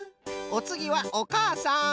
おつぎはおかあさん。